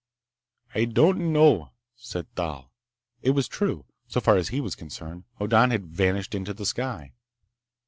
"I don't know," said Thal. It was true. So far as he was concerned, Hoddan had vanished into the sky.